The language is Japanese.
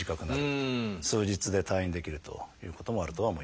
数日で退院できるということもあるとは思います。